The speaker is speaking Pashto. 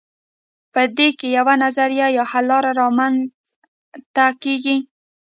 په دې کې یوه نظریه یا حل لاره رامیینځته کیږي.